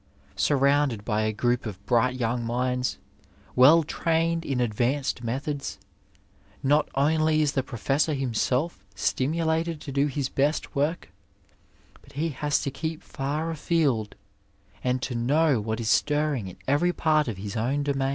Surrounded by a group of bright young minds, well trained in advanced methods, not only is the professor himself stimulated to do his best work, but he has to keep &ir afield and to know what is stirring in every part of his own domain.